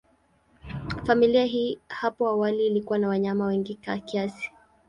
Familia hii hapo awali ilikuwa na wanyama wengi kiasi.